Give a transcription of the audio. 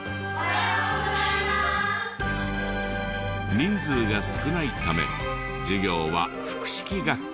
人数が少ないため授業は複式学級。